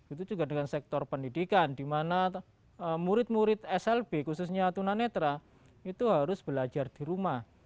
itu juga dengan sektor pendidikan di mana murid murid slb khususnya tunanetra itu harus belajar di rumah